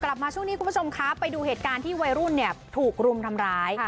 กลับมาช่วงนี้คุณผู้ชมคะไปดูเหตุการณ์ที่วัยรุ่นเนี่ยถูกรุมทำร้าย